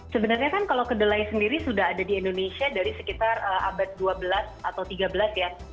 sebenarnya kan kalau kedelai sendiri sudah ada di indonesia dari sekitar abad dua belas atau tiga belas ya